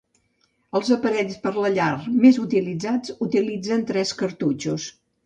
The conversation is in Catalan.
Els aparells per a la llar més utilitzats utilitzen tres cartutxos.